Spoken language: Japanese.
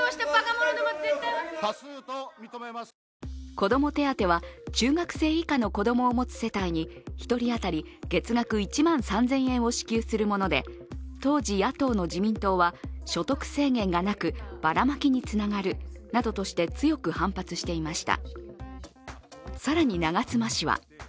子ども手当は、中学生以下の子供を持つ世帯に１人当たり月額１万３０００円を支給するもので、当時、野党の自民党は所得制限がなくばらまきにつながるなどとして強く反発していました。